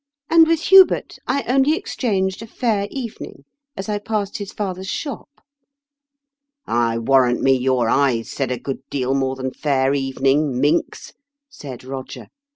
"And with Hubert I only exchanged a ' fair evening ' as I passed his father's shop." " I warrant me your eyes said a good deal more than 'fair evening,' minx," said Eoger.